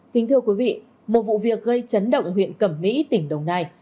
kính thưa quý vị một vụ việc gây chấn động huyện cẩm mỹ tỉnh đồng nai